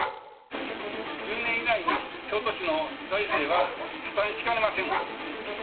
１０年以内に京都市の財政は破綻しかねません。